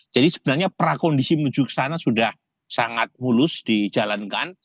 jadi sebenarnya prakondisi menuju ke sana sudah sangat mulus dijalankan